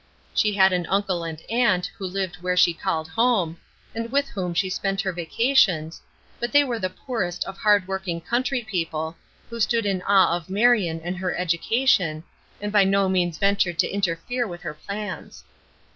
She had an uncle and aunt who lived where she called "home," and with whom she spent her vacations, but they were the poorest of hard working country people, who stood in awe of Marion and her education, and by no means ventured to interfere with her plans.